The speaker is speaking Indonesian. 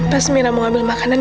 pas mirna mau ambil makanan